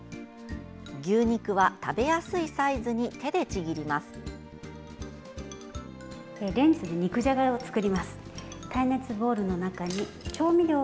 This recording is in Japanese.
牛肉は食べやすいサイズに手でちぎります。